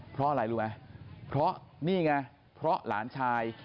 เพราะอะไรรู้ไหมเพราะนี่ไงเพราะหลานชาย